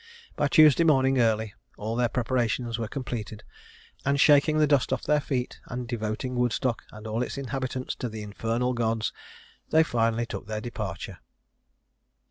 By Tuesday morning early, all their preparations were completed; and shaking the dust off their feet, and devoting Woodstock and all its inhabitants to the infernal gods, they finally took their departure.